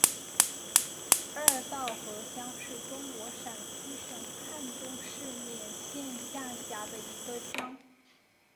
二道河乡是中国陕西省汉中市勉县下辖的一个乡。